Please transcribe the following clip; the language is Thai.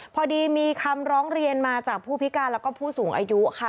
พอดีมีคำร้องเรียนมาจากผู้พิการแล้วก็ผู้สูงอายุค่ะ